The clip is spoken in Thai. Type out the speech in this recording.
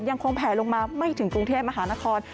ยังคงแผ่ลงมาไม่ถึงกรุงเทพฯมหานคร